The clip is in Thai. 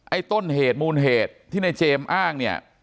ต้นเหตุมูลเหตุที่ในเจมส์อ้างเนี่ย